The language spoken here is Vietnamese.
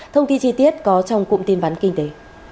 thông tin chi tiết có trong cụm tin vắn kinh tế